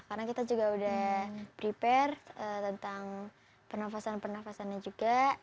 karena kita juga udah prepare tentang pernafasan pernafasannya juga